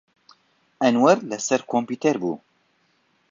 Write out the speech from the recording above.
ئەنوەر لەسەر کۆمپیوتەر بوو.